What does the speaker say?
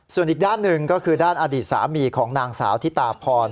ส่วนอีกด้านหนึ่งก็คือด้านอดีตสามีของนางสาวทิตาพร